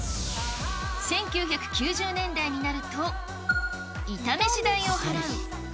１９９０年代になると、イタメシ代を払う。